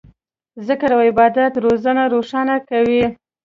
ذکر او عبادت زړونه روښانه کوي.